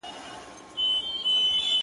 ما خو دا ټوله شپه_